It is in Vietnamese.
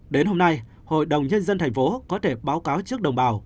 đến hôm nay hội đồng nhân dân tp hcm có thể báo cáo trước đồng bào